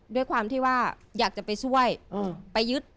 ด้วยความที่ว่าอยากจะไปช่วยไปยึด